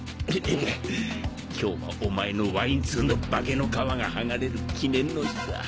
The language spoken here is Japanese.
今日はお前のワイン通の化けの皮がはがれる記念の日だ。